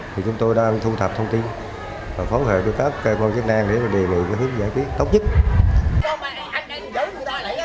thì chúng tôi đang thu thập thông tin và phối hợp với các cơ quan chức năng để mà đề nghị hướng giải quyết tốt nhất